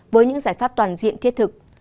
với những giải pháp toàn diện thiết thực